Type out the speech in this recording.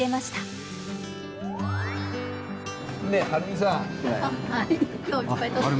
あっはるみさん。